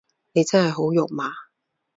你真係好肉麻